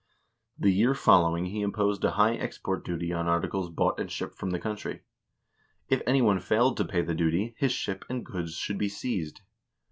The year following he imposed a high export duty on articles bought and shipped from the country. If any one failed to pay the duty, his ship and goods should be seized.